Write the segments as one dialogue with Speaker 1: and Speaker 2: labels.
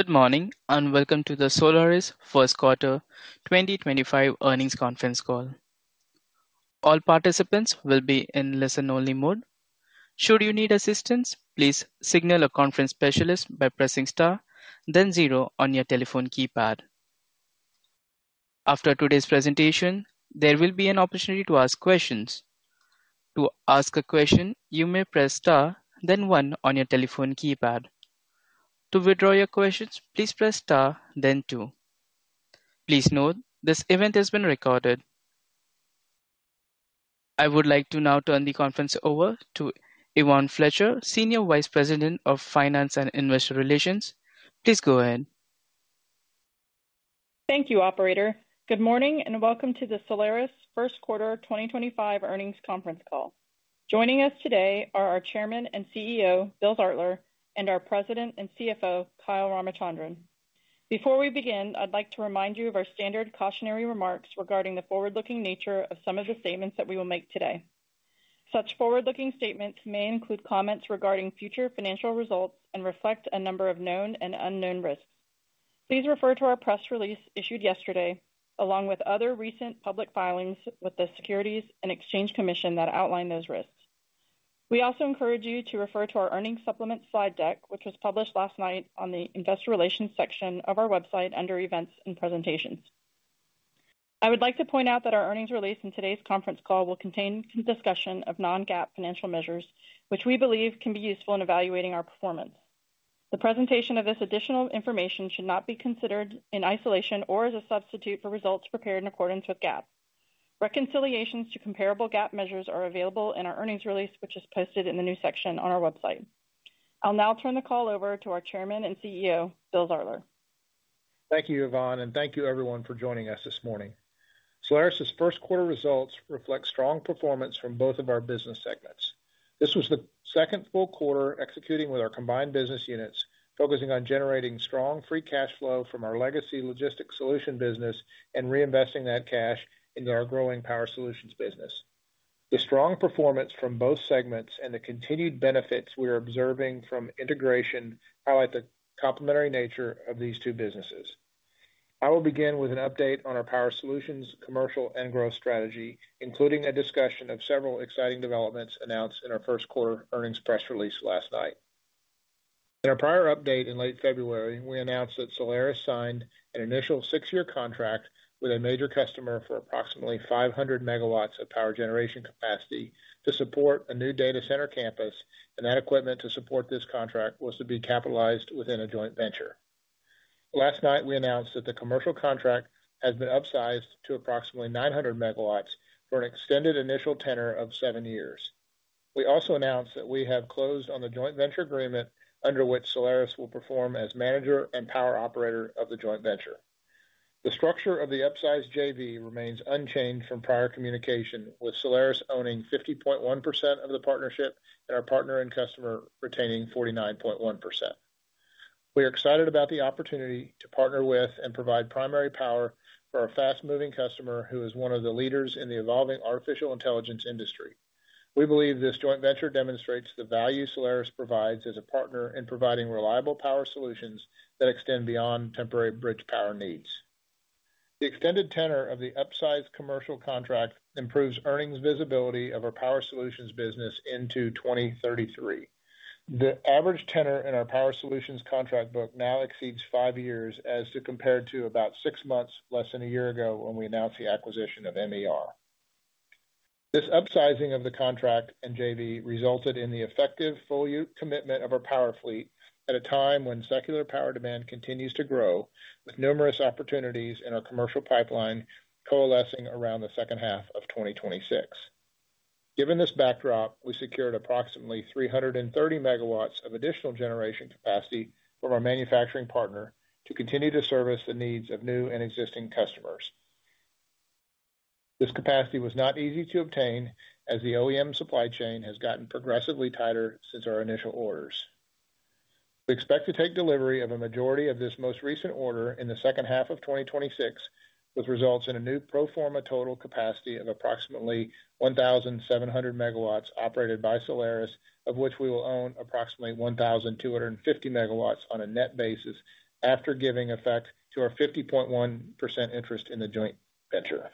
Speaker 1: Good morning and welcome to the Solaris' First Quarter 2025 Earnings Conference Call. All participants will be in listen-only mode. Should you need assistance, please signal a conference specialist by pressing Star, then Zero on your telephone keypad. After today's presentation, there will be an opportunity to ask questions. To ask a question, you may press Star, then One on your telephone keypad. To withdraw your questions, please press Star, then Two. Please note, this event has been recorded. I would like to now turn the conference over to Yvonne Fletcher, Senior Vice President of Finance and Investor Relations. Please go ahead.
Speaker 2: Thank you, Operator. Good morning and welcome to the Solaris' first quarter 2025 earnings conference call. Joining us today are our Chairman and CEO, Bill Zartler, and our President and CFO, Kyle Ramachandran. Before we begin, I'd like to remind you of our standard cautionary remarks regarding the forward-looking nature of some of the statements that we will make today. Such forward-looking statements may include comments regarding future financial results and reflect a number of known and unknown risks. Please refer to our press release issued yesterday, along with other recent public filings with the Securities and Exchange Commission that outline those risks. We also encourage you to refer to our Earnings Supplement slide deck, which was published last night on the Investor Relations section of our website under Events and Presentations. I would like to point out that our earnings release and today's conference call will contain discussion of non-GAAP financial measures, which we believe can be useful in evaluating our performance. The presentation of this additional information should not be considered in isolation or as a substitute for results prepared in accordance with GAAP. Reconciliations to comparable GAAP measures are available in our earnings release, which is posted in the news section on our website. I'll now turn the call over to our Chairman and CEO, Bill Zartler.
Speaker 3: Thank you, Yvonne, and thank you, everyone, for joining us this morning. Solaris' first quarter results reflect strong performance from both of our business segments. This was the second full quarter executing with our combined business units, focusing on generating strong free cash flow from our legacy logistics solution business and reinvesting that cash into our growing power solutions business. The strong performance from both segments and the continued benefits we are observing from integration highlight the complementary nature of these two businesses. I will begin with an update on our power solutions commercial and growth strategy, including a discussion of several exciting developments announced in our first quarter earnings press release last night. In our prior update in late February, we announced that Solaris signed an initial six-year contract with a major customer for approximately 500 MW of power generation capacity to support a new data center campus, and that equipment to support this contract was to be capitalized within a joint venture. Last night, we announced that the commercial contract has been upsized to approximately 900 MW for an extended initial tenor of seven years. We also announced that we have closed on the joint venture agreement under which Solaris will perform as manager and power operator of the joint venture. The structure of the upsized JV remains unchanged from prior communication, with Solaris owning 50.1% of the partnership and our partner and customer retaining 49.1%. We are excited about the opportunity to partner with and provide primary power for our fast-moving customer, who is one of the leaders in the evolving artificial intelligence industry. We believe this joint venture demonstrates the value Solaris provides as a partner in providing reliable power solutions that extend beyond temporary bridge power needs. The extended tenor of the upsized commercial contract improves earnings visibility of our power solutions business into 2033. The average tenor in our power solutions contract book now exceeds five years as compared to about six months less than a year ago when we announced the acquisition of MER. This upsizing of the contract and JV resulted in the effective full commitment of our power fleet at a time when secular power demand continues to grow, with numerous opportunities in our commercial pipeline coalescing around the second half of 2026. Given this backdrop, we secured approximately 330 MW of additional generation capacity from our manufacturing partner to continue to service the needs of new and existing customers. This capacity was not easy to obtain, as the OEM supply chain has gotten progressively tighter since our initial orders. We expect to take delivery of a majority of this most recent order in the second half of 2026, with results in a new pro forma total capacity of approximately 1,700 MW operated by Solaris, of which we will own approximately 1,250 MW on a net basis after giving effect to our 50.1% interest in the joint venture.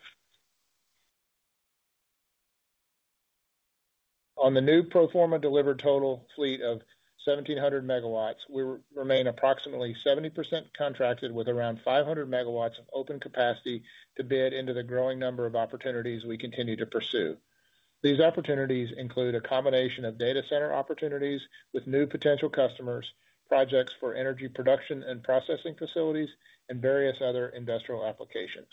Speaker 3: On the new pro forma delivered total fleet of 1,700 MW, we remain approximately 70% contracted with around 500 MW of open capacity to bid into the growing number of opportunities we continue to pursue. These opportunities include a combination of data center opportunities with new potential customers, projects for energy production and processing facilities, and various other industrial applications.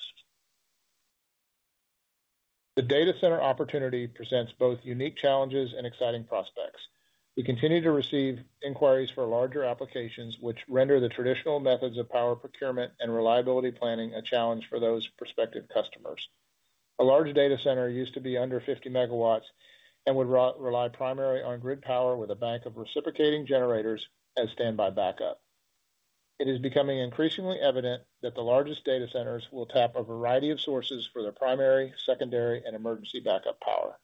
Speaker 3: The data center opportunity presents both unique challenges and exciting prospects. We continue to receive inquiries for larger applications, which render the traditional methods of power procurement and reliability planning a challenge for those prospective customers. A large data center used to be under 50 MW and would rely primarily on grid power with a bank of reciprocating generators as standby backup. It is becoming increasingly evident that the largest data centers will tap a variety of sources for their primary, secondary, and emergency backup power.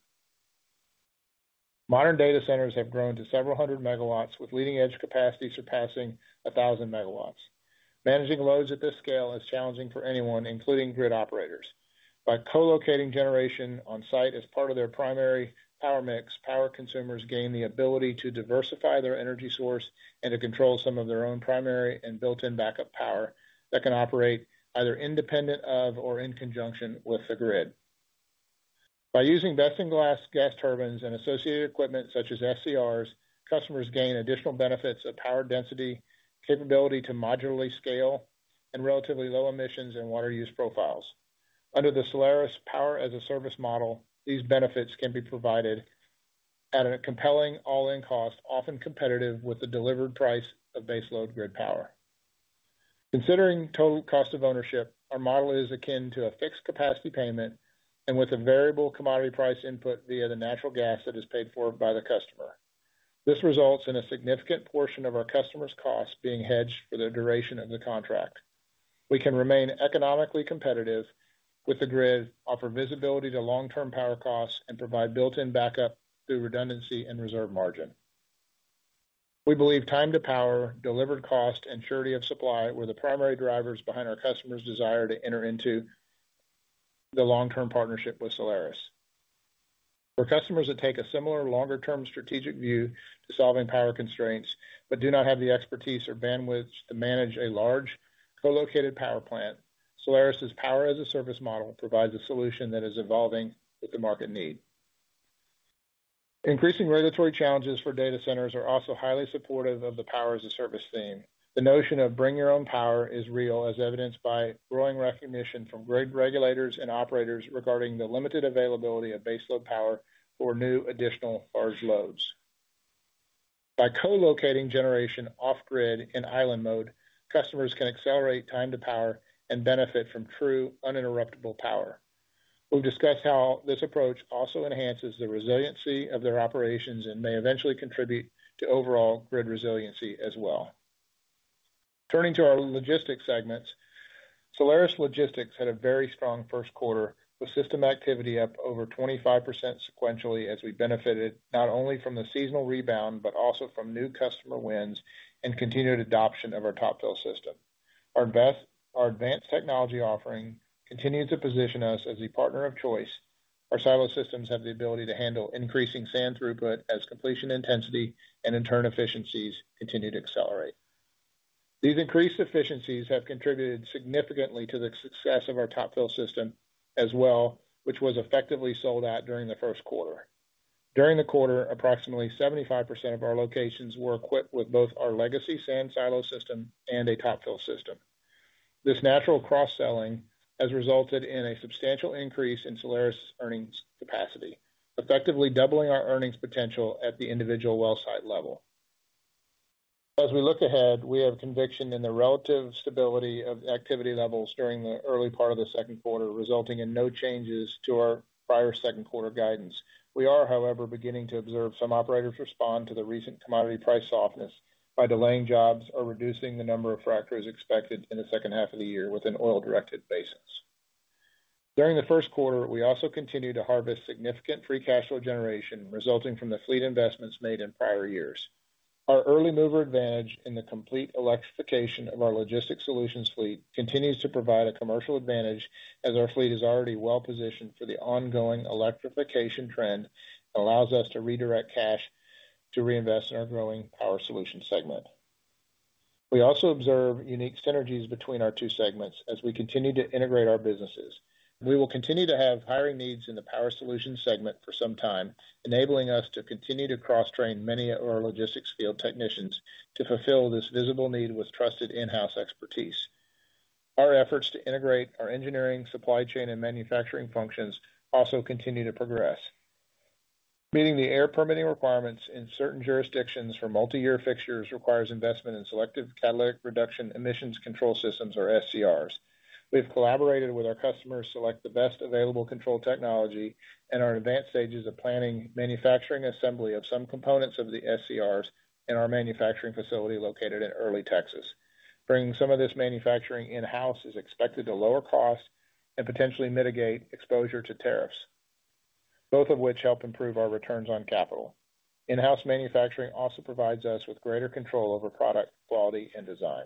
Speaker 3: Modern data centers have grown to several hundred megawatts, with leading-edge capacity surpassing 1,000 MW. Managing loads at this scale is challenging for anyone, including grid operators. By co-locating generation on site as part of their primary power mix, power consumers gain the ability to diversify their energy source and to control some of their own primary and built-in backup power that can operate either independent of or in conjunction with the grid. By using best-in-class gas turbines and associated equipment such as SCRs, customers gain additional benefits of power density, capability to modularly scale, and relatively low emissions and water use profiles. Under the Solaris power-as-a-service model, these benefits can be provided at a compelling all-in cost, often competitive with the delivered price of base load grid power. Considering total cost of ownership, our model is akin to a fixed capacity payment and with a variable commodity price input via the natural gas that is paid for by the customer. This results in a significant portion of our customer's costs being hedged for the duration of the contract. We can remain economically competitive with the grid, offer visibility to long-term power costs, and provide built-in backup through redundancy and reserve margin. We believe time to power, delivered cost, and surety of supply were the primary drivers behind our customer's desire to enter into the long-term partnership with Solaris. For customers that take a similar longer-term strategic view to solving power constraints but do not have the expertise or bandwidth to manage a large co-located power plant, Solaris' power-as-a-service model provides a solution that is evolving with the market need. Increasing regulatory challenges for data centers are also highly supportive of the power-as-a-service theme. The notion of bring your own power is real, as evidenced by growing recognition from grid regulators and operators regarding the limited availability of base load power for new additional large loads. By co-locating generation off-grid in island mode, customers can accelerate time to power and benefit from true uninterruptible power. We've discussed how this approach also enhances the resiliency of their operations and may eventually contribute to overall grid resiliency as well. Turning to our Logistics segments, Solaris Logistics had a very strong first quarter with system activity up over 25% sequentially as we benefited not only from the seasonal rebound but also from new customer wins and continued adoption of our Top Fill system. Our advanced technology offering continues to position us as the partner of choice. Our silo systems have the ability to handle increasing sand throughput as completion intensity and internal efficiencies continue to accelerate. These increased efficiencies have contributed significantly to the success of our Top Fill system as well, which was effectively sold out during the first quarter. During the quarter, approximately 75% of our locations were equipped with both our legacy sand silo system and a Top Fill system. This natural cross-selling has resulted in a substantial increase in Solaris' earnings capacity, effectively doubling our earnings potential at the individual well site level. As we look ahead, we have conviction in the relative stability of activity levels during the early part of the second quarter, resulting in no changes to our prior second quarter guidance. We are, however, beginning to observe some operators respond to the recent commodity price softness by delaying jobs or reducing the number of fractures expected in the second half of the year with an oil-directed basis. During the first quarter, we also continue to harvest significant free cash flow generation resulting from the fleet investments made in prior years. Our early mover advantage in the complete electrification of our logistics solutions fleet continues to provide a commercial advantage as our fleet is already well positioned for the ongoing electrification trend and allows us to redirect cash to reinvest in our growing power solution segment. We also observe unique synergies between our two segments as we continue to integrate our businesses. We will continue to have hiring needs in the power solution segment for some time, enabling us to continue to cross-train many of our logistics field technicians to fulfill this visible need with trusted in-house expertise. Our efforts to integrate our engineering, supply chain, and manufacturing functions also continue to progress. Meeting the air permitting requirements in certain jurisdictions for multi-year fixtures requires investment in selective catalytic reduction emissions control systems, or SCRs. We have collaborated with our customers to select the best available control technology and are in advanced stages of planning manufacturing assembly of some components of the SCRs in our manufacturing facility located in East Texas. Bringing some of this manufacturing in-house is expected to lower costs and potentially mitigate exposure to tariffs, both of which help improve our returns on capital. In-house manufacturing also provides us with greater control over product quality and design.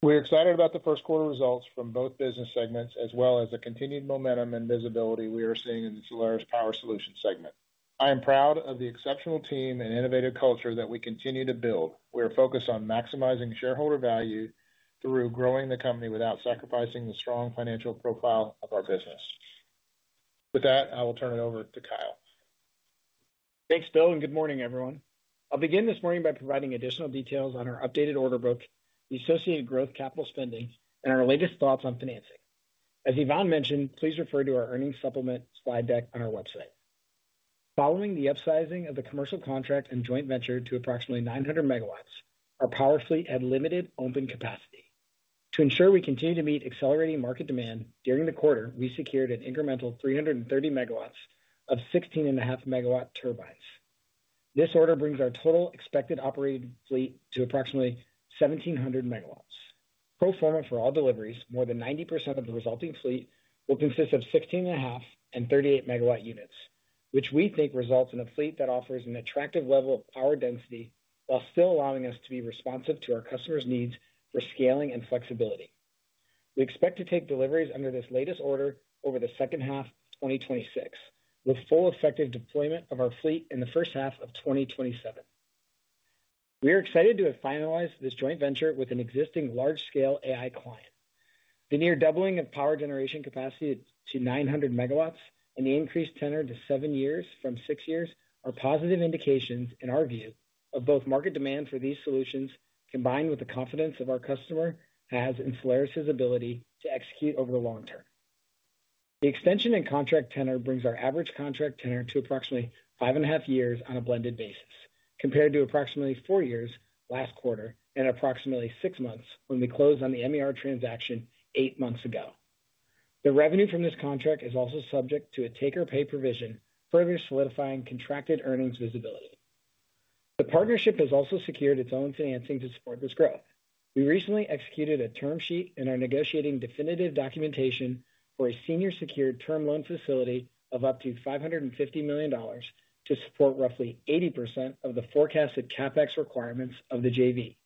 Speaker 3: We are excited about the first quarter results from both business segments, as well as the continued momentum and visibility we are seeing in the Solaris power solution segment. I am proud of the exceptional team and innovative culture that we continue to build. We are focused on maximizing shareholder value through growing the company without sacrificing the strong financial profile of our business. With that, I will turn it over to Kyle.
Speaker 4: Thanks, Bill, and good morning, everyone. I'll begin this morning by providing additional details on our updated order book, the associated growth capital spending, and our latest thoughts on financing. As Yvonne mentioned, please refer to our earnings supplement slide deck on our website. Following the upsizing of the commercial contract and joint venture to approximately 900 MW, our power fleet had limited open capacity. To ensure we continue to meet accelerating market demand during the quarter, we secured an incremental 330 MW of 16.5 MW turbines. This order brings our total expected operating fleet to approximately 1,700 MW. Pro forma for all deliveries, more than 90% of the resulting fleet will consist of 16.5 MW and 38 MW units, which we think results in a fleet that offers an attractive level of power density while still allowing us to be responsive to our customers' needs for scaling and flexibility. We expect to take deliveries under this latest order over the second half of 2026, with full effective deployment of our fleet in the first half of 2027. We are excited to have finalized this joint venture with an existing large-scale AI client. The near doubling of power generation capacity to 900 MW and the increased tenor to seven years from six years are positive indications, in our view, of both market demand for these solutions combined with the confidence our customer has in Solaris' ability to execute over the long term. The extension in contract tenor brings our average contract tenor to approximately five and a half years on a blended basis, compared to approximately four years last quarter and approximately six months when we closed on the MER transaction eight months ago. The revenue from this contract is also subject to a take-or-pay provision, further solidifying contracted earnings visibility. The partnership has also secured its own financing to support this growth. We recently executed a term sheet and are negotiating definitive documentation for a senior-secured term loan facility of up to $550 million to support roughly 80% of the forecasted CapEx requirements of the JV.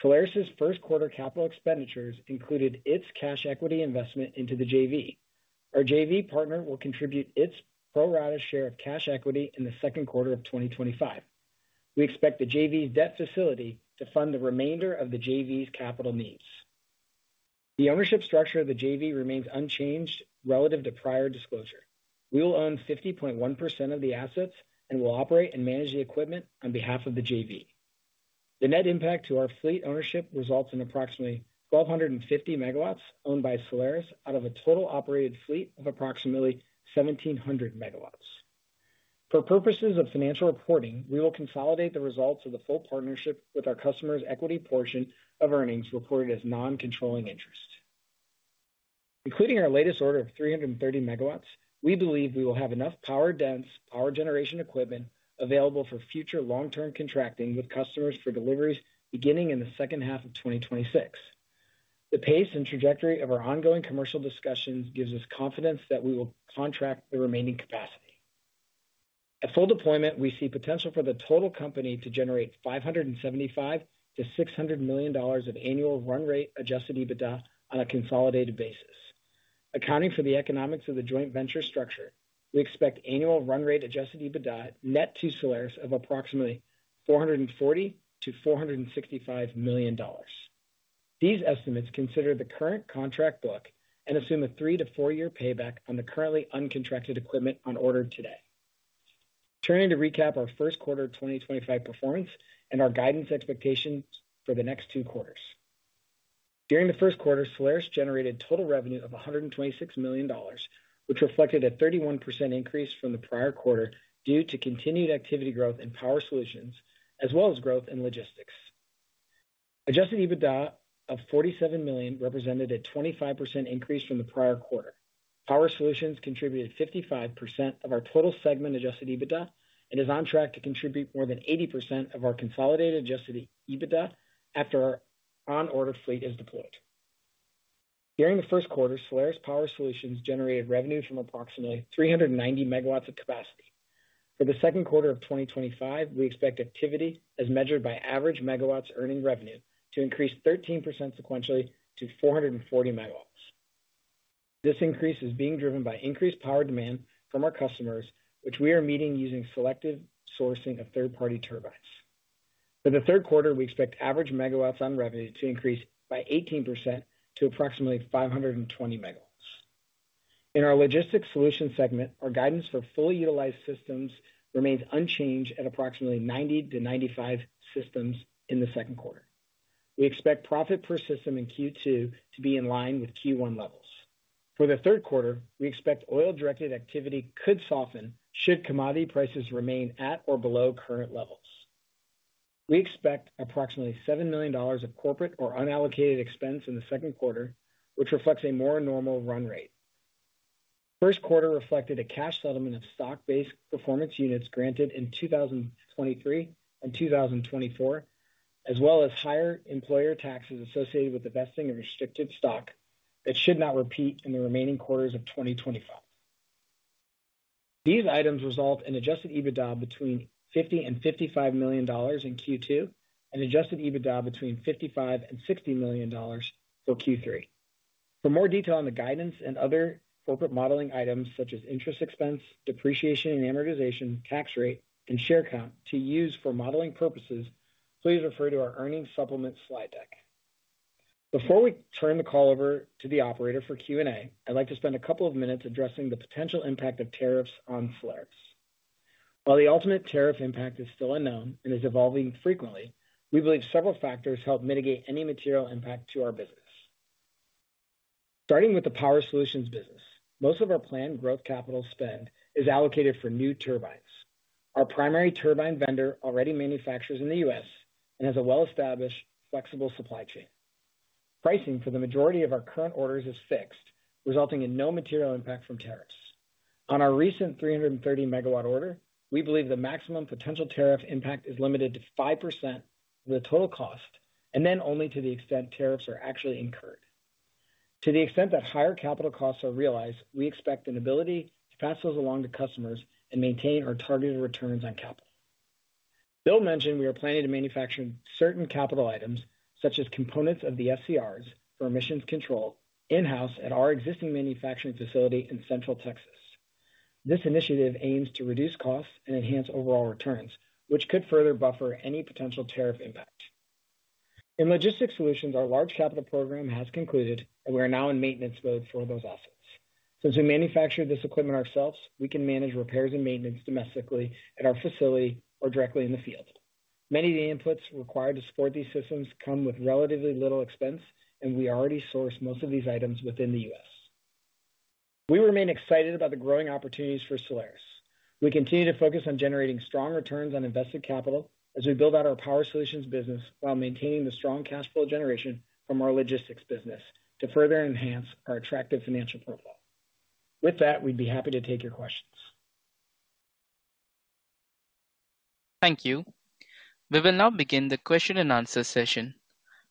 Speaker 4: Solaris' first quarter capital expenditures included its cash equity investment into the JV. Our JV partner will contribute its pro rata share of cash equity in the second quarter of 2025. We expect the JV's debt facility to fund the remainder of the JV's capital needs. The ownership structure of the JV remains unchanged relative to prior disclosure. We will own 50.1% of the assets and will operate and manage the equipment on behalf of the JV. The net impact to our fleet ownership results in approximately 1,250 MW owned by Solaris out of a total operated fleet of approximately 1,700 MW. For purposes of financial reporting, we will consolidate the results of the full partnership with our customer's equity portion of earnings reported as non-controlling interest. Including our latest order of 330 MW, we believe we will have enough power-dense power generation equipment available for future long-term contracting with customers for deliveries beginning in the second half of 2026. The pace and trajectory of our ongoing commercial discussions gives us confidence that we will contract the remaining capacity. At full deployment, we see potential for the total company to generate $575 million-$600 million of annual run rate adjusted EBITDA on a consolidated basis. Accounting for the economics of the joint venture structure, we expect annual run rate adjusted EBITDA net to Solaris of approximately $440 million-$465 million. These estimates consider the current contract book and assume a three- to four-year payback on the currently uncontracted equipment on order today. Turning to recap our first quarter of 2025 performance and our guidance expectations for the next two quarters. During the first quarter, Solaris generated total revenue of $126 million, which reflected a 31% increase from the prior quarter due to continued activity growth in power solutions, as well as growth in logistics. Adjusted EBITDA of $47 million represented a 25% increase from the prior quarter. Power solutions contributed 55% of our total segment adjusted EBITDA and is on track to contribute more than 80% of our consolidated adjusted EBITDA after our on-order fleet is deployed. During the first quarter, Solaris Power Solutions generated revenue from approximately 390 MW of capacity. For the second quarter of 2025, we expect activity, as measured by average megawatts earning revenue, to increase 13% sequentially to 440 MW. This increase is being driven by increased power demand from our customers, which we are meeting using selective sourcing of third-party turbines. For the third quarter, we expect average megawatts on revenue to increase by 18% to approximately 520 MW. In our Logistics Solutions segment, our guidance for fully utilized systems remains unchanged at approximately 90-95 systems in the second quarter. We expect profit per system in Q2 to be in line with Q1 levels. For the third quarter, we expect oil-directed activity could soften should commodity prices remain at or below current levels. We expect approximately $7 million of corporate or unallocated expense in the second quarter, which reflects a more normal run rate. First quarter reflected a cash settlement of stock-based performance units granted in 2023 and 2024, as well as higher employer taxes associated with the vesting of restricted stock that should not repeat in the remaining quarters of 2025. These items result in adjusted EBITDA between $50 million-$55 million in Q2 and adjusted EBITDA between $55 million-$60 million for Q3. For more detail on the guidance and other corporate modeling items, such as interest expense, depreciation and amortization, tax rate, and share count to use for modeling purposes, please refer to our earnings supplement slide deck. Before we turn the call over to the operator for Q&A, I'd like to spend a couple of minutes addressing the potential impact of tariffs on Solaris. While the ultimate tariff impact is still unknown and is evolving frequently, we believe several factors help mitigate any material impact to our business. Starting with the Power Solutions business, most of our planned growth capital spend is allocated for new turbines. Our primary turbine vendor already manufactures in the U.S. and has a well-established flexible supply chain. Pricing for the majority of our current orders is fixed, resulting in no material impact from tariffs. On our recent 330 MW order, we believe the maximum potential tariff impact is limited to 5% of the total cost and then only to the extent tariffs are actually incurred. To the extent that higher capital costs are realized, we expect the ability to pass those along to customers and maintain our targeted returns on capital. Bill mentioned we are planning to manufacture certain capital items, such as components of the SCRs for emissions control, in-house at our existing manufacturing facility in Central Texas. This initiative aims to reduce costs and enhance overall returns, which could further buffer any potential tariff impact. In logistics solutions, our large capital program has concluded, and we are now in maintenance mode for those assets. Since we manufacture this equipment ourselves, we can manage repairs and maintenance domestically at our facility or directly in the field. Many of the inputs required to support these systems come with relatively little expense, and we already source most of these items within the U.S. We remain excited about the growing opportunities for Solaris. We continue to focus on generating strong returns on invested capital as we build out our power solutions business while maintaining the strong cash flow generation from our logistics business to further enhance our attractive financial profile. With that, we'd be happy to take your questions.
Speaker 1: Thank you. We will now begin the question and answer session.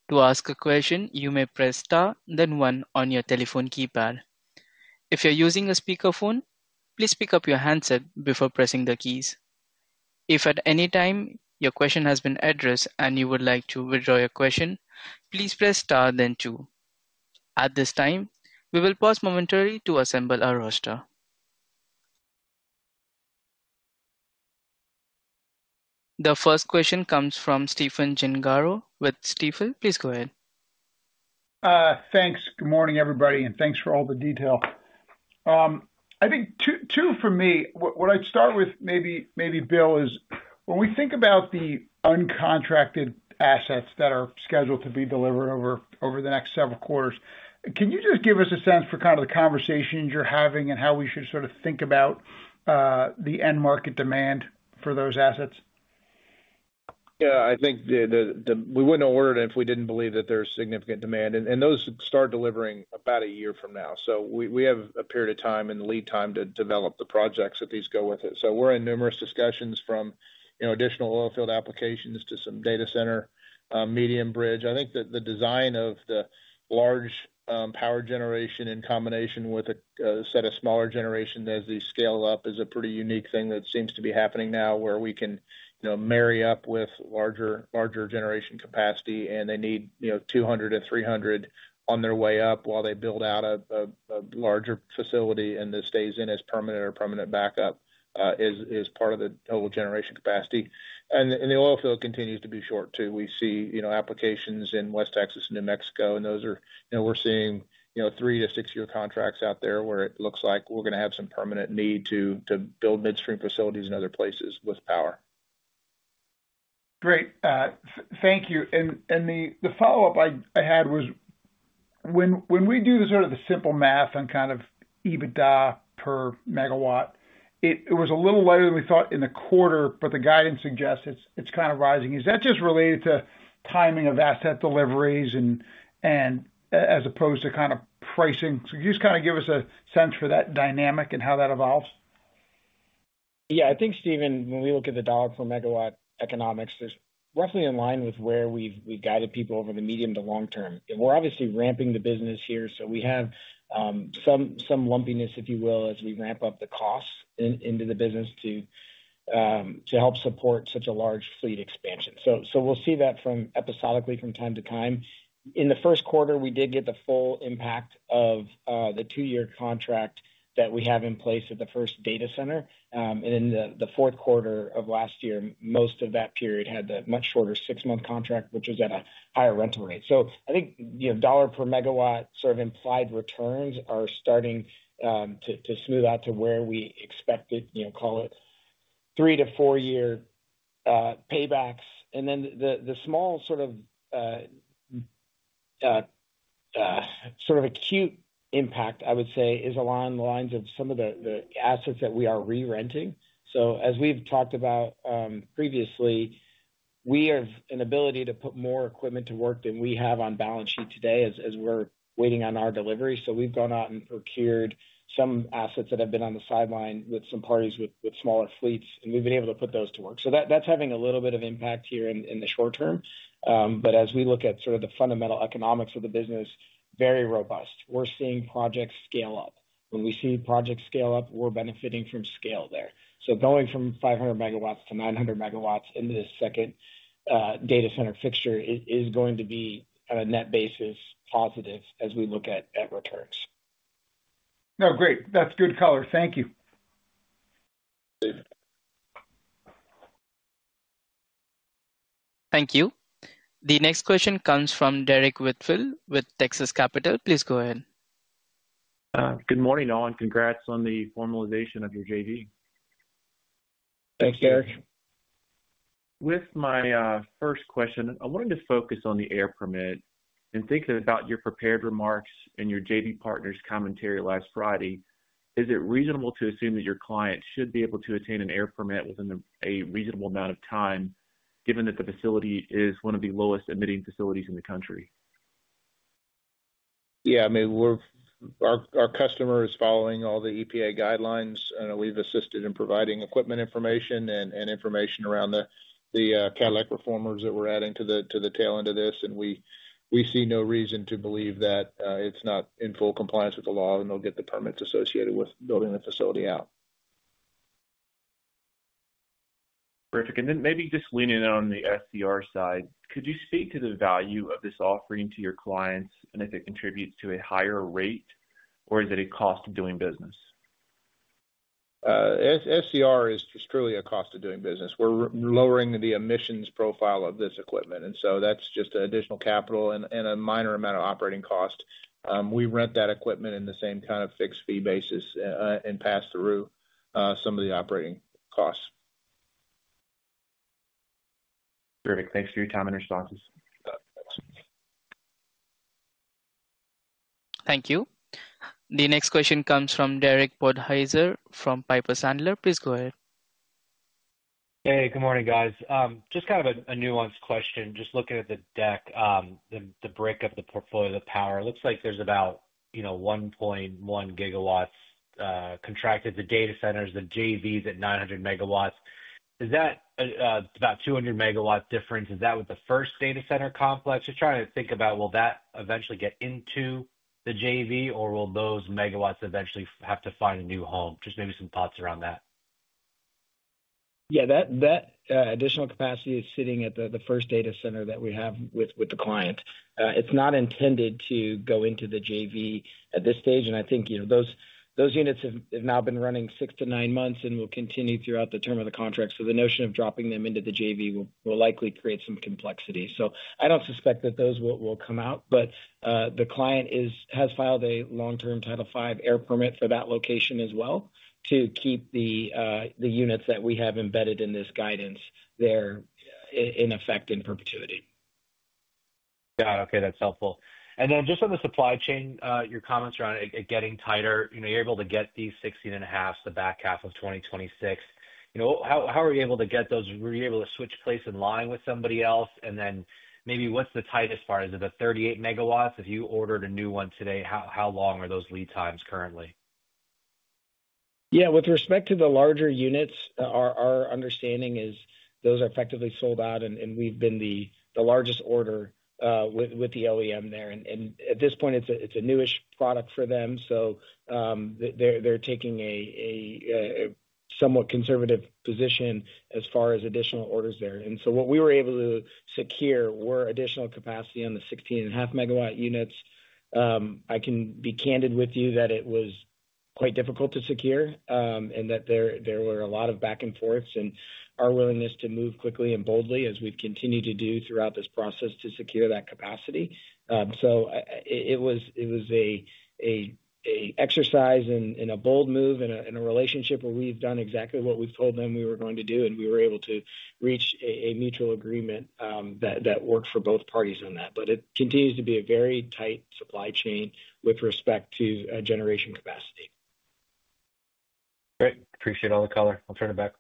Speaker 1: To ask a question, you may press star, then one on your telephone keypad. If you're using a speakerphone, please pick up your handset before pressing the keys. If at any time your question has been addressed and you would like to withdraw your question, please press star, then two. At this time, we will pause momentarily to assemble our roster. The first question comes from Stephen Gengaro with Stifel, please go ahead.
Speaker 5: Thanks. Good morning, everybody, and thanks for all the detail. I think two for me, what I'd start with, maybe Bill, is when we think about the uncontracted assets that are scheduled to be delivered over the next several quarters, can you just give us a sense for kind of the conversations you're having and how we should sort of think about the end market demand for those assets?
Speaker 3: Yeah, I think we wouldn't order it if we didn't believe that there's significant demand. Those start delivering about a year from now. We have a period of time and lead time to develop the projects that these go with. We're in numerous discussions from additional oil field applications to some data center medium bridge. I think that the design of the large power generation in combination with a set of smaller generation as they scale up is a pretty unique thing that seems to be happening now where we can marry up with larger generation capacity, and they need 200-300 on their way up while they build out a larger facility and this stays in as permanent or permanent backup as part of the total generation capacity. The oil field continues to be short, too. We see applications in West Texas and New Mexico, and those are where we're seeing three- to six-year contracts out there where it looks like we're going to have some permanent need to build midstream facilities in other places with power.
Speaker 5: Great. Thank you. The follow-up I had was when we do the sort of the simple math on kind of EBITDA per megawatt, it was a little lower than we thought in the quarter, but the guidance suggests it's kind of rising. Is that just related to timing of asset deliveries as opposed to kind of pricing? Could you just kind of give us a sense for that dynamic and how that evolves?
Speaker 4: Yeah, I think, Stephen, when we look at the dollar per megawatt economics, it's roughly in line with where we've guided people over the medium to long term. We're obviously ramping the business here, so we have some lumpiness, if you will, as we ramp up the costs into the business to help support such a large fleet expansion. We'll see that episodically from time to time. In the first quarter, we did get the full impact of the two-year contract that we have in place at the first data center. In the fourth quarter of last year, most of that period had the much shorter six-month contract, which was at a higher rental rate. I think dollar per megawatt sort of implied returns are starting to smooth out to where we expected, call it three to four-year paybacks. The small sort of acute impact, I would say, is along the lines of some of the assets that we are re-renting. As we've talked about previously, we have an ability to put more equipment to work than we have on balance sheet today as we're waiting on our delivery. We've gone out and procured some assets that have been on the sideline with some parties with smaller fleets, and we've been able to put those to work. That's having a little bit of impact here in the short term. As we look at sort of the fundamental economics of the business, very robust. We're seeing projects scale up. When we see projects scale up, we're benefiting from scale there. Going from 500 MW to 900 MW into this second data center fixture is going to be on a net basis positive as we look at returns.
Speaker 5: No, great. That's good color. Thank you.
Speaker 1: Thank you. The next question comes from Derrick Whitfield with Texas Capital. Please go ahead.
Speaker 6: Good morning, Bill. Congrats on the formalization of your JV.
Speaker 3: Thanks, Derrick.
Speaker 6: With my first question, I wanted to focus on the air permit. In thinking about your prepared remarks and your JV partner's commentary last Friday, is it reasonable to assume that your client should be able to attain an air permit within a reasonable amount of time, given that the facility is one of the lowest emitting facilities in the country?
Speaker 3: Yeah, I mean, our customer is following all the EPA guidelines, and we've assisted in providing equipment information and information around the Catalytic reformers that we're adding to the tail end of this. We see no reason to believe that it's not in full compliance with the law, and they'll get the permits associated with building the facility out.
Speaker 6: Terrific. Maybe just leaning in on the SCR side, could you speak to the value of this offering to your clients and if it contributes to a higher rate, or is it a cost of doing business?
Speaker 3: SCR is truly a cost of doing business. We're lowering the emissions profile of this equipment, and so that's just an additional capital and a minor amount of operating cost. We rent that equipment in the same kind of fixed fee basis and pass through some of the operating costs.
Speaker 6: Terrific. Thanks for your time and responses.
Speaker 1: Thank you. The next question comes from Derek Podhaizer from Piper Sandler. Please go ahead.
Speaker 7: Hey, good morning, guys. Just kind of a nuanced question. Just looking at the deck, the breakup of the portfolio of power, it looks like there's about 1.1 GW contracted to data centers, the JVs at 900 MW. Is that about a 200 MW difference? Is that with the first data center complex? Just trying to think about, will that eventually get into the JV, or will those megawatts eventually have to find a new home? Just maybe some thoughts around that.
Speaker 4: Yeah, that additional capacity is sitting at the first data center that we have with the client. It's not intended to go into the JV at this stage, and I think those units have now been running six to nine months and will continue throughout the term of the contract. The notion of dropping them into the JV will likely create some complexity. I don't suspect that those will come out, but the client has filed a long-term Title V air permit for that location as well to keep the units that we have embedded in this guidance there in effect in perpetuity.
Speaker 7: Got it. Okay, that's helpful. Just on the supply chain, your comments around it getting tighter, you're able to get these 16.5 MW, the back half of 2026. How are you able to get those? Were you able to switch place in line with somebody else? Maybe what's the tightest part? Is it the 38 MW? If you ordered a new one today, how long are those lead times currently?
Speaker 4: Yeah, with respect to the larger units, our understanding is those are effectively sold out, and we've been the largest order with the OEM there. At this point, it's a newish product for them, so they're taking a somewhat conservative position as far as additional orders there. What we were able to secure were additional capacity on the 16.5 MW units. I can be candid with you that it was quite difficult to secure and that there were a lot of back and forths in our willingness to move quickly and boldly as we've continued to do throughout this process to secure that capacity. It was an exercise and a bold move in a relationship where we've done exactly what we've told them we were going to do, and we were able to reach a mutual agreement that worked for both parties on that. It continues to be a very tight supply chain with respect to generation capacity.
Speaker 7: Great. Appreciate all the color. I'll turn it back.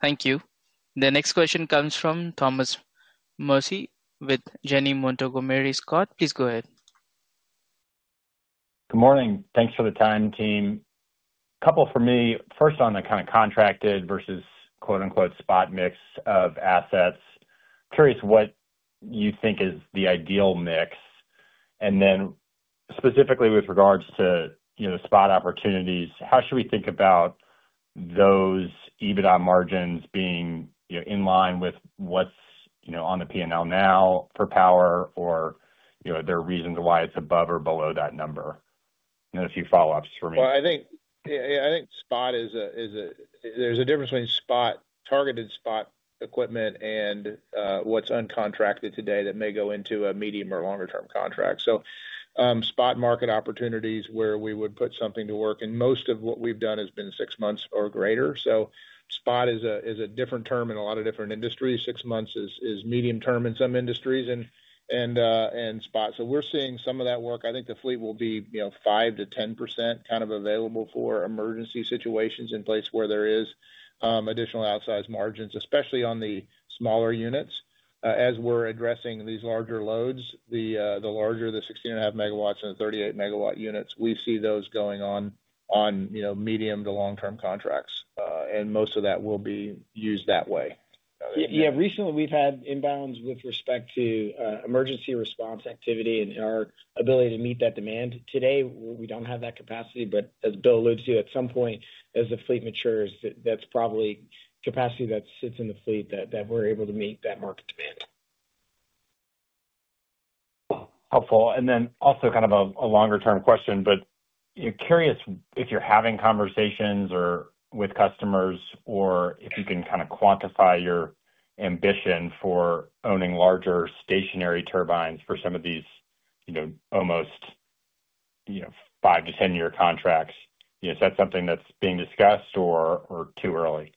Speaker 1: Thank you. The next question comes from Thomas Meric with Janney Montgomery Scott. Please go ahead.
Speaker 8: Good morning. Thanks for the time, team. A couple for me. First on the kind of contracted versus "spot mix" of assets. Curious what you think is the ideal mix. Specifically with regards to spot opportunities, how should we think about those EBITDA margins being in line with what's on the P&L now for power or are there reasons why it's above or below that number? I have a few follow-ups for me.
Speaker 3: I think spot is a there's a difference between targeted spot equipment and what's uncontracted today that may go into a medium or longer-term contract. Spot market opportunities where we would put something to work. Most of what we've done has been six months or greater. Spot is a different term in a lot of different industries. Six months is medium term in some industries and spot. We are seeing some of that work. I think the fleet will be 5%-10% kind of available for emergency situations in place where there are additional outsized margins, especially on the smaller units. As we are addressing these larger loads, the larger the 16.5 MW and the 38 MW units, we see those going on medium to long-term contracts. Most of that will be used that way.
Speaker 4: Yeah, recently we've had inbounds with respect to emergency response activity and our ability to meet that demand. Today, we don't have that capacity. As Bill alludes to, at some point, as the fleet matures, that's probably capacity that sits in the fleet that we're able to meet that market demand.
Speaker 8: Helpful. Also, kind of a longer-term question, but curious if you're having conversations with customers or if you can kind of quantify your ambition for owning larger stationary turbines for some of these almost 5- to 10-year contracts. Is that something that's being discussed or too early?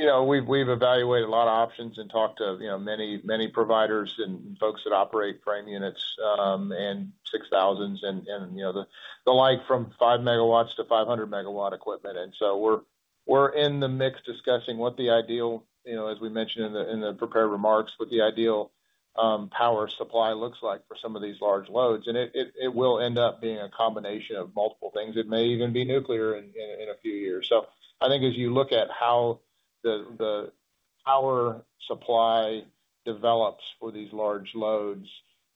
Speaker 3: Yeah, we've evaluated a lot of options and talked to many providers and folks that operate frame units and 6000s and the like from 5 MW to 500 MW equipment. We're in the mix discussing what the ideal, as we mentioned in the prepared remarks, what the ideal power supply looks like for some of these large loads. It will end up being a combination of multiple things. It may even be nuclear in a few years. I think as you look at how the power supply develops for these large loads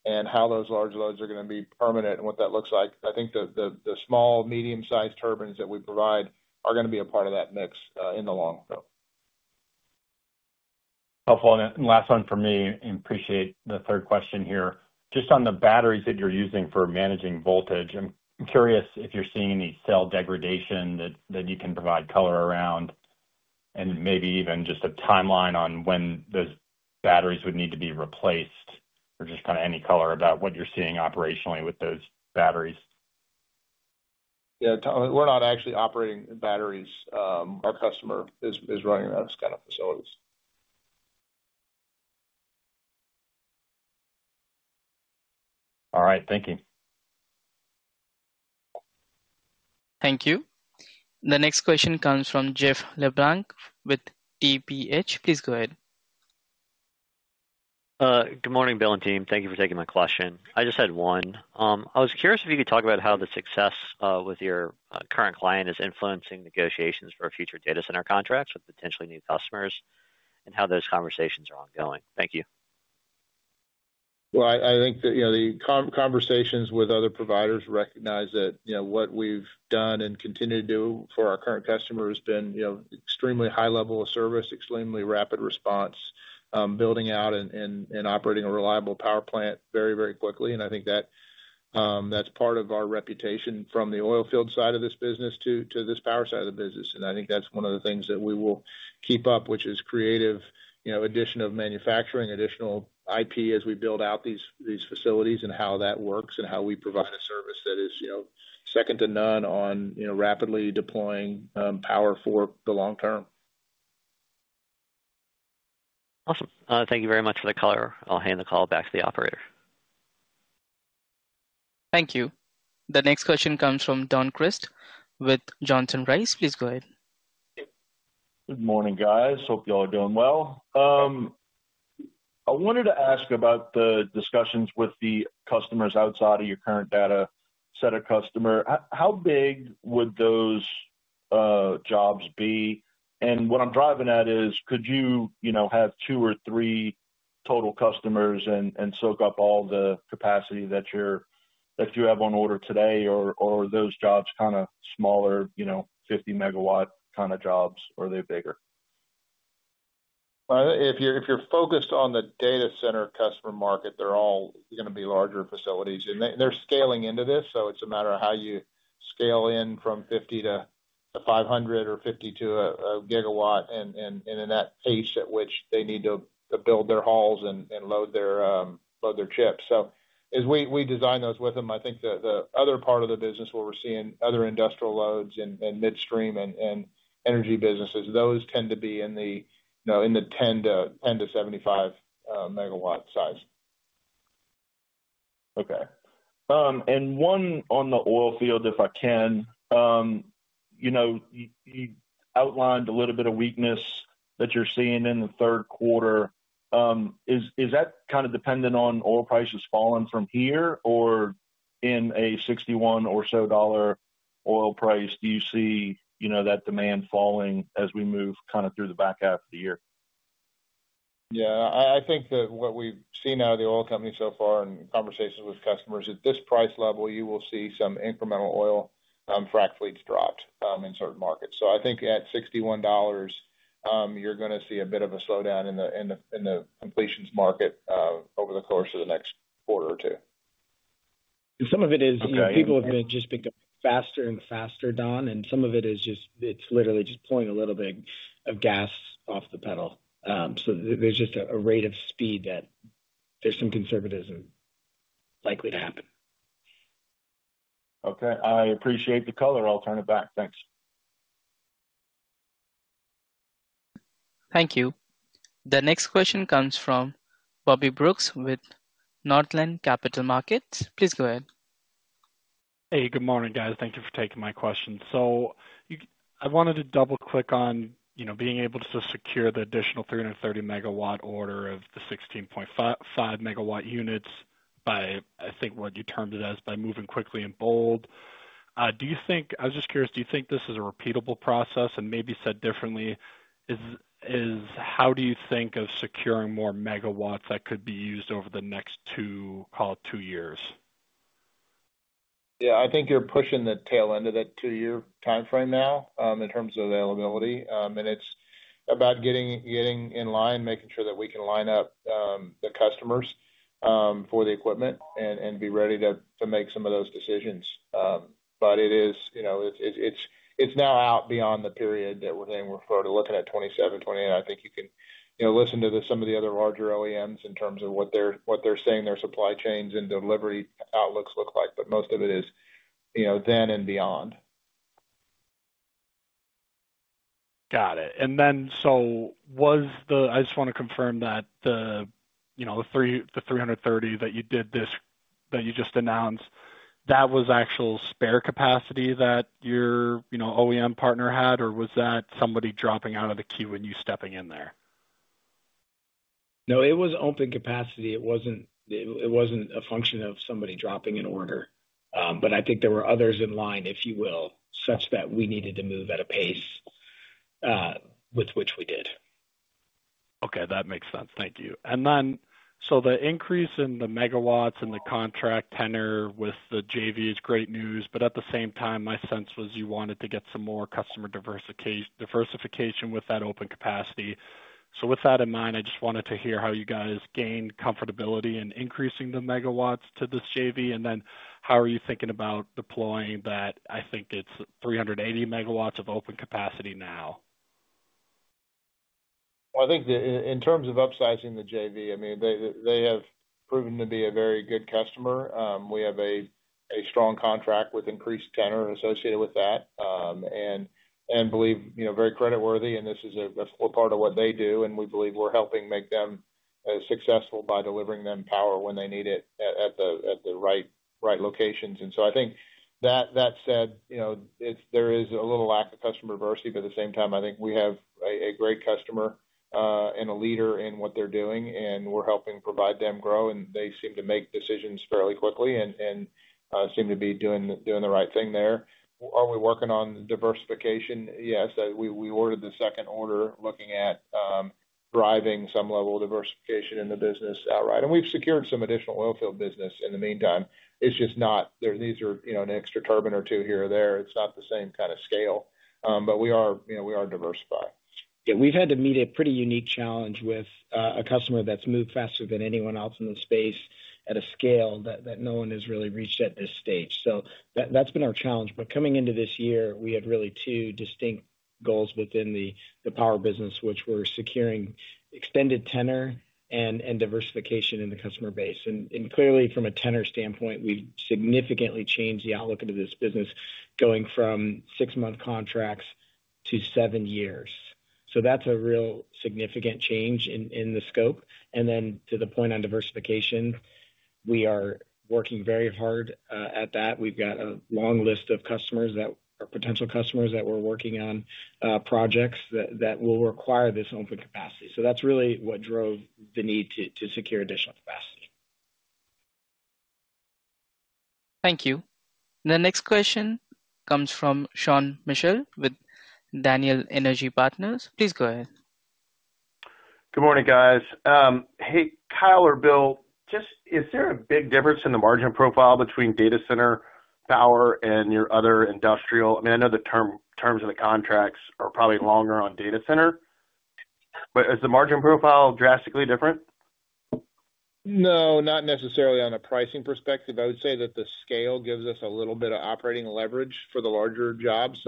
Speaker 3: and how those large loads are going to be permanent and what that looks like, I think the small, medium-sized turbines that we provide are going to be a part of that mix in the long run.
Speaker 8: Helpful. Last one for me, and appreciate the third question here. Just on the batteries that you're using for managing voltage, I'm curious if you're seeing any cell degradation that you can provide color around and maybe even just a timeline on when those batteries would need to be replaced or just kind of any color about what you're seeing operationally with those batteries.
Speaker 3: Yeah, we're not actually operating batteries. Our customer is running those kind of facilities.
Speaker 8: All right. Thank you.
Speaker 1: Thank you. The next question comes from Jeff LeBlanc with TPH. Please go ahead.
Speaker 9: Good morning, Bill and team. Thank you for taking my question. I just had one. I was curious if you could talk about how the success with your current client is influencing negotiations for future data center contracts with potentially new customers and how those conversations are ongoing. Thank you.
Speaker 3: I think that the conversations with other providers recognize that what we've done and continue to do for our current customer has been extremely high level of service, extremely rapid response, building out and operating a reliable power plant very, very quickly. I think that's part of our reputation from the oil field side of this business to this power side of the business. I think that's one of the things that we will keep up, which is creative addition of manufacturing, additional IP as we build out these facilities and how that works and how we provide a service that is second to none on rapidly deploying power for the long term.
Speaker 9: Awesome. Thank you very much for the color. I'll hand the call back to the operator.
Speaker 1: Thank you. The next question comes from Don Crist with Johnson Rice. Please go ahead.
Speaker 10: Good morning, guys. Hope y'all are doing well. I wanted to ask about the discussions with the customers outside of your current data set of customers. How big would those jobs be? What I'm driving at is, could you have two or three total customers and soak up all the capacity that you have on order today? Are those jobs kind of smaller, 50 MW kind of jobs, or are they bigger?
Speaker 3: If you're focused on the data center customer market, they're all going to be larger facilities. They're scaling into this, so it's a matter of how you scale in from 50 to 500 or 50 to a gigawatt and in that pace at which they need to build their halls and load their chips. As we design those with them, I think the other part of the business where we're seeing other industrial loads and midstream and energy businesses, those tend to be in the 10-75 MW size.
Speaker 10: Okay. One on the oil field, if I can. You outlined a little bit of weakness that you're seeing in the third quarter. Is that kind of dependent on oil prices falling from here or in a $61 or so dollar oil price? Do you see that demand falling as we move kind of through the back half of the year?
Speaker 3: Yeah. I think that what we've seen out of the oil company so far and conversations with customers at this price level, you will see some incremental oil frac fleets dropped in certain markets. I think at $61, you're going to see a bit of a slowdown in the completions market over the course of the next quarter or two.
Speaker 4: Some of it is people have been just becoming faster and faster, Don, and some of it is just it's literally just pulling a little bit of gas off the pedal. There's just a rate of speed that there's some conservatism likely to happen.
Speaker 10: Okay. I appreciate the color. I'll turn it back. Thanks.
Speaker 1: Thank you. The next question comes from Bobby Brooks with Northland Capital Markets. Please go ahead.
Speaker 11: Hey, good morning, guys. Thank you for taking my question. I wanted to double-click on being able to secure the additional 330 MW order of the 16.5 MW units by, I think what you termed it as, by moving quickly and bold. I was just curious, do you think this is a repeatable process? Maybe said differently, how do you think of securing more megawatts that could be used over the next two, call it two years?
Speaker 3: Yeah, I think you're pushing the tail end of that two-year timeframe now in terms of availability. It's about getting in line, making sure that we can line up the customers for the equipment and be ready to make some of those decisions. It is now out beyond the period that we're saying we're sort of looking at 2027, 2028. I think you can listen to some of the other larger OEMs in terms of what they're saying their supply chains and delivery outlooks look like. Most of it is then and beyond.
Speaker 11: Got it. I just want to confirm that the 330 MW that you did, that you just announced, that was actual spare capacity that your OEM partner had, or was that somebody dropping out of the queue and you stepping in there?
Speaker 4: No, it was open capacity. It was not a function of somebody dropping an order. I think there were others in line, if you will, such that we needed to move at a pace with which we did.
Speaker 11: Okay. That makes sense. Thank you. The increase in the megawatts and the contract tenor with the JV is great news. At the same time, my sense was you wanted to get some more customer diversification with that open capacity. With that in mind, I just wanted to hear how you guys gained comfortability in increasing the megawatts to this JV. How are you thinking about deploying that? I think it's 380 MW of open capacity now.
Speaker 3: I think in terms of upsizing the JV, I mean, they have proven to be a very good customer. We have a strong contract with increased tenor associated with that and believe very creditworthy. This is a core part of what they do. We believe we're helping make them successful by delivering them power when they need it at the right locations. I think that said, there is a little lack of customer diversity. At the same time, I think we have a great customer and a leader in what they're doing. We're helping provide them grow. They seem to make decisions fairly quickly and seem to be doing the right thing there. Are we working on diversification? Yes. We ordered the second order looking at driving some level of diversification in the business outright. We have secured some additional oil field business in the meantime. It is just not these are an extra turbine or two here or there. It is not the same kind of scale. We are diversified.
Speaker 4: Yeah. We've had to meet a pretty unique challenge with a customer that's moved faster than anyone else in the space at a scale that no one has really reached at this stage. That's been our challenge. Coming into this year, we had really two distinct goals within the power business, which were securing extended tenor and diversification in the customer base. Clearly, from a tenor standpoint, we've significantly changed the outlook into this business going from six-month contracts to seven years. That's a real significant change in the scope. To the point on diversification, we are working very hard at that. We've got a long list of customers that are potential customers that we're working on projects that will require this open capacity. That's really what drove the need to secure additional capacity.
Speaker 1: Thank you. The next question comes from Sean Mitchell with Daniel Energy Partners. Please go ahead.
Speaker 12: Good morning, guys. Hey, Kyle or Bill, just is there a big difference in the margin profile between data center power and your other industrial? I mean, I know the terms of the contracts are probably longer on data center. Is the margin profile drastically different?
Speaker 3: No, not necessarily on a pricing perspective. I would say that the scale gives us a little bit of operating leverage for the larger jobs.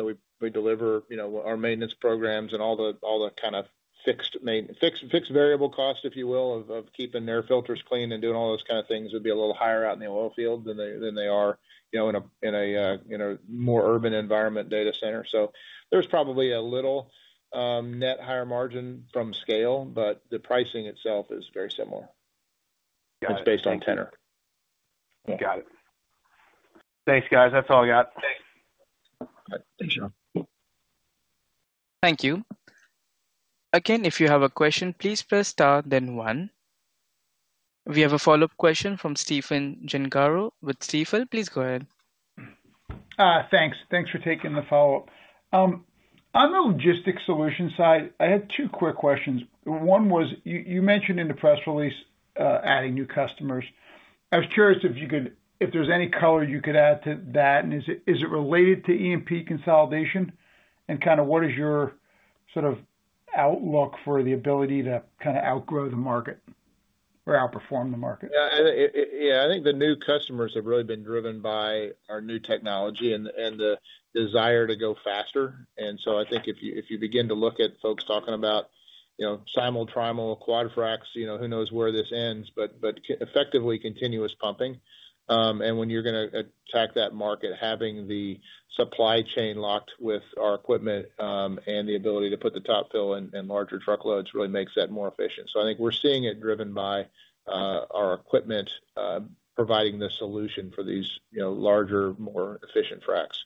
Speaker 3: We deliver our maintenance programs and all the kind of fixed variable costs, if you will, of keeping their filters clean and doing all those kind of things would be a little higher out in the oil field than they are in a more urban environment data center. There is probably a little net higher margin from scale, but the pricing itself is very similar.
Speaker 4: It is based on tenor.
Speaker 12: Got it. Thanks, guys. That's all I got. Thanks.
Speaker 3: Thanks, Sean.
Speaker 1: Thank you. Again, if you have a question, please press star then one. We have a follow-up question from Stephen Gengaro with Stifel. Please go ahead.
Speaker 5: Thanks. Thanks for taking the follow-up. On the logistics solution side, I had two quick questions. One was you mentioned in the press release adding new customers. I was curious if there's any color you could add to that. Is it related to E&P consolidation? What is your sort of outlook for the ability to kind of outgrow the market or outperform the market?
Speaker 3: Yeah. I think the new customers have really been driven by our new technology and the desire to go faster. I think if you begin to look at folks talking about simulfrac, quadfrac, who knows where this ends, but effectively continuous pumping. When you're going to attack that market, having the supply chain locked with our equipment and the ability to put the Top Fill in larger truckloads really makes that more efficient. I think we're seeing it driven by our equipment providing the solution for these larger, more efficient fracs.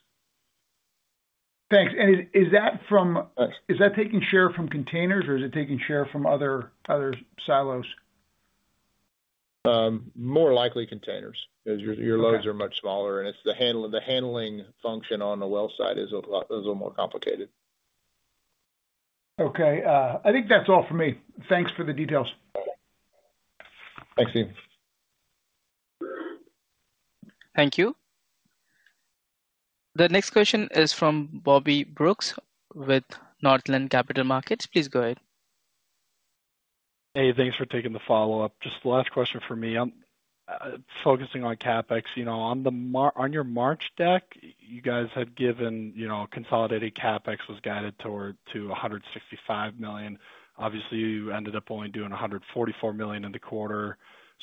Speaker 5: Thanks. Is that taking share from containers, or is it taking share from other silos?
Speaker 3: More likely containers because your loads are much smaller. The handling function on the well side is a little more complicated.
Speaker 5: Okay. I think that's all for me. Thanks for the details.
Speaker 3: Thanks, Steve.
Speaker 1: Thank you. The next question is from Bobby Brooks with Northland Capital Markets. Please go ahead.
Speaker 11: Hey, thanks for taking the follow-up. Just the last question for me. I'm focusing on CapEx. On your March deck, you guys had given consolidated CapEx was guided to $165 million. Obviously, you ended up only doing $144 million in the quarter.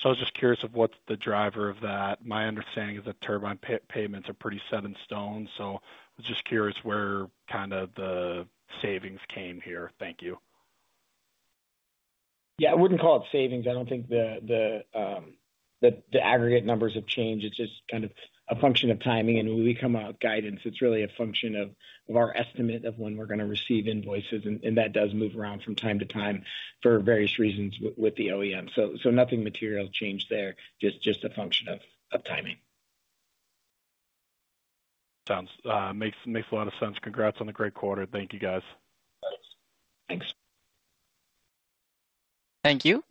Speaker 11: I was just curious of what's the driver of that. My understanding is that turbine payments are pretty set in stone. I was just curious where kind of the savings came here. Thank you.
Speaker 4: Yeah. I wouldn't call it savings. I don't think the aggregate numbers have changed. It's just kind of a function of timing. When we come out with guidance, it's really a function of our estimate of when we're going to receive invoices. That does move around from time to time for various reasons with the OEM. Nothing material changed there, just a function of timing.
Speaker 11: Sounds makes a lot of sense. Congrats on the great quarter. Thank you, guys.
Speaker 3: Thanks.
Speaker 4: Thanks.
Speaker 1: Thank you.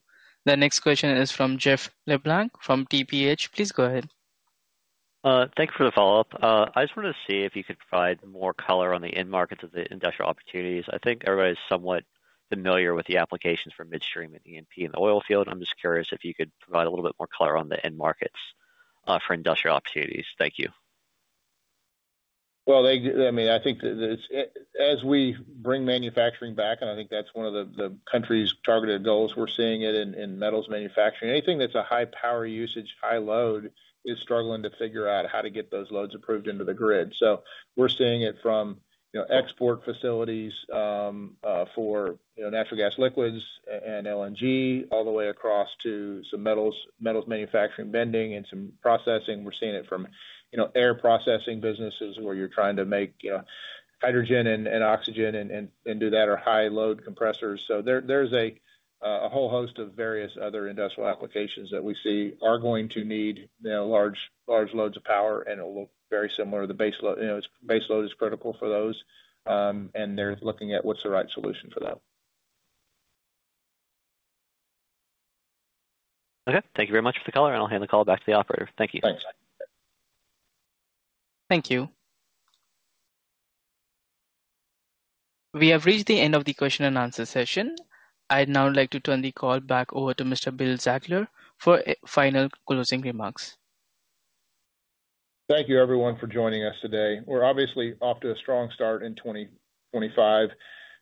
Speaker 1: The next question is from Jeff LeBlanc from TPH. Please go ahead.
Speaker 9: Thank you for the follow-up. I just wanted to see if you could provide more color on the end markets of the industrial opportunities. I think everybody's somewhat familiar with the applications for midstream and E&P in the oil field. I'm just curious if you could provide a little bit more color on the end markets for industrial opportunities. Thank you.
Speaker 3: I mean, I think as we bring manufacturing back, and I think that's one of the country's targeted goals, we're seeing it in metals manufacturing. Anything that's a high power usage, high load is struggling to figure out how to get those loads approved into the grid. We're seeing it from export facilities for natural gas liquids and LNG all the way across to some metals manufacturing, bending, and some processing. We're seeing it from air processing businesses where you're trying to make hydrogen and oxygen and do that or high-load compressors. There is a whole host of various other industrial applications that we see are going to need large loads of power. It will look very similar. The base load is critical for those. They're looking at what's the right solution for them.
Speaker 9: Okay. Thank you very much for the call. I'll hand the call back to the operator. Thank you.
Speaker 3: Thanks.
Speaker 1: Thank you. We have reached the end of the question and answer session. I'd now like to turn the call back over to Mr. Bill Zartler for final closing remarks.
Speaker 3: Thank you, everyone, for joining us today. We are obviously off to a strong start in 2025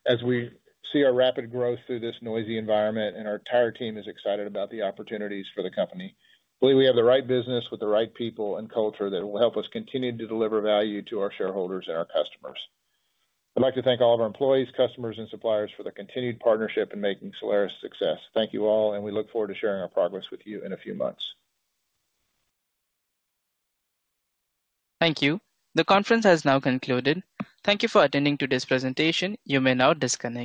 Speaker 3: as we see our rapid growth through this noisy environment. Our entire team is excited about the opportunities for the company. I believe we have the right business with the right people and culture that will help us continue to deliver value to our shareholders and our customers. I would like to thank all of our employees, customers, and suppliers for the continued partnership in making Solaris a success. Thank you all. We look forward to sharing our progress with you in a few months.
Speaker 1: Thank you. The conference has now concluded. Thank you for attending today's presentation. You may now disconnect.